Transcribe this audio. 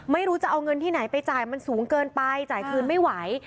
ไม่รู้จะเอาเงินที่ไหนไปจ่ายมันสูงเกินไปจ่ายคืนไม่ไหว